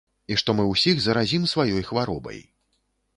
І што мы ўсіх заразім сваёй хваробай.